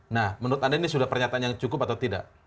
nah menurut anda ini sudah pernyataan yang cukup atau tidak